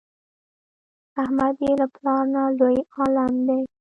احمد یې له پلار نه لوی عالم دی.